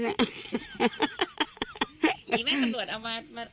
นี้แม่ตำรวจเอาไปแล้ว